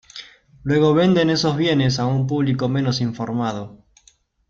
Luego venden esos bienes a un público menos informado.